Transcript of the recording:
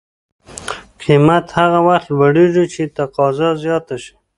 قیمت هغه وخت لوړېږي چې تقاضا زیاته شي.